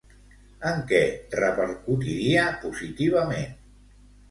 En què repercutiria positivament?